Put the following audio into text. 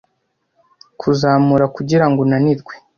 kuzamura kugirango unanirwe